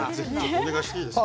お願いしていいですか？